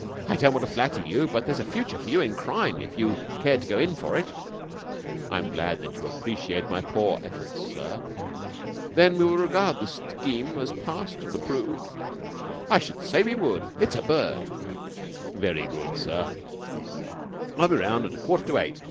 I don't want to flatter you, but there's a future for you in crime, if you cared to go in for it." "I am glad that you appreciate my poor efforts, sir. Then we will regard the scheme as passed and approved?" "I should say we would! It's a bird!" "Very good, sir." "I'll be round at about a quarter to eight.